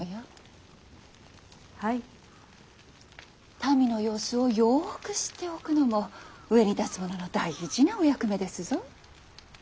民の様子をよく知っておくのも上に立つ者の大事なお役目ですぞ。